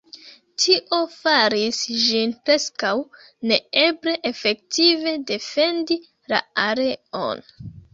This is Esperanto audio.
Tio faris ĝin preskaŭ neeble efektive defendi la areon.